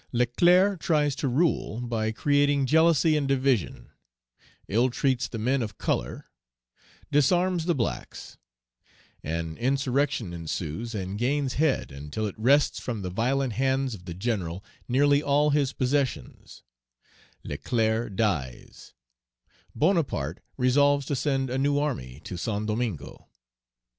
Leclerc tries to rule by creating jealousy and division Ill treats the men of color Disarms the blacks An insurrection ensues, and gains head, until it wrests from the violent hands of the General nearly all his possessions Leclerc dies Bonaparte resolves to send a new army to Saint Domingo.